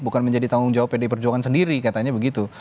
bukan menjadi tanggung jawab pdi perjuangan sendiri katanya begitu